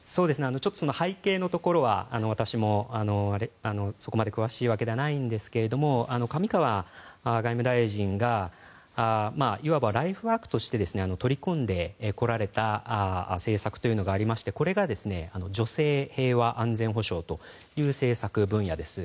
背景のところは私もそこまで詳しいわけではないんですが上川外務大臣がいわばライフワークとして取り組んでこられた政策というのがありましてこれが女性、平和、安全保障という政策分野です。